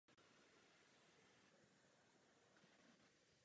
Na lepších půdách se přidávají i listnaté dřeviny.